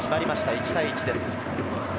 １対１です。